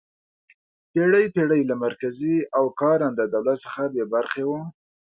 پېړۍ پېړۍ له مرکزي او کارنده دولت څخه بې برخې وه.